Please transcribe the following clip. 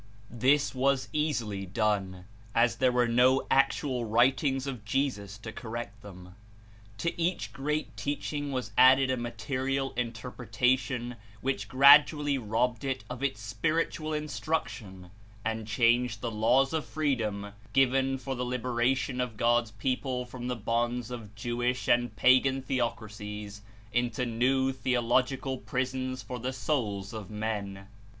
This was easily done as there were no act ual writings of Jesus to correct them. To each great teaching was added a material Interpretation which gradually robbed It of Its spiritual Instruction and changed the laws of freedom, given for the liberation of God's people from the bonds of Jewish and Pagan theocrasies, Into new theological prisons for the souls of men.